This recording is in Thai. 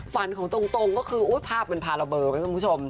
ฝันของตรงก็คือภาพมันพาระเบอร์ไหมคุณผู้ชม